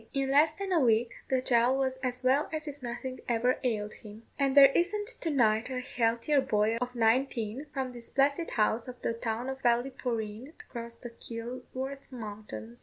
In less than a week the child was as well as if nothing ever ailed him; and there isn't to night a healthier boy of nineteen, from this blessed house to the town of Ballyporeen, across the Kilworth mountains."